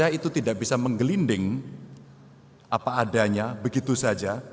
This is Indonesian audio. karena itu tidak bisa menggelinding apa adanya begitu saja